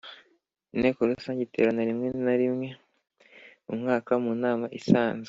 Inteko Rusange iterana rimwe mu mwaka mu nama isanzwe